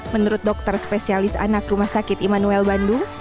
menurut dokter spesialis anak rumah sakit immanuel bandung